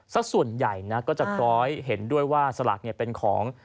สักส่วนใหญ่นะก็จะคล้อยเห็นด้วยว่าสลากเป็นของ